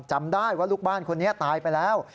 จำได้ว่าลูกบ้านคนนี้ตายไปแล้ว